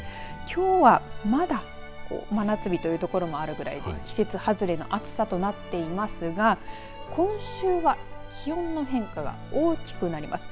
きょうはまだ真夏日という所もあるくらいで季節外れの暑さとなっていますが今週は気温の変化が大きくなります。